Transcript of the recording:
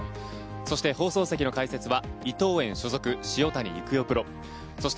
そして放送席の解説は伊藤園所属、塩谷育代